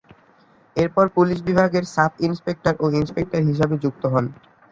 এরপর পুলিশ বিভাগে সাব-ইনস্পেক্টর ও ইনস্পেক্টর হিসেবে নিযুক্ত হন।